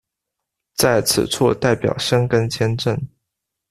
在此处代表申根签证。